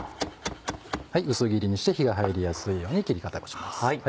薄切りにして火が入りやすいような切り方をします。